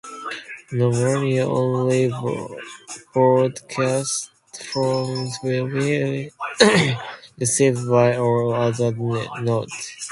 Nominally, only broadcast frames will be received by all other nodes.